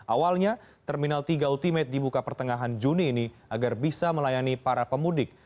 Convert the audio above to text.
awalnya terminal tiga ultimate dibuka pertengahan juni ini agar bisa melayani para pemudik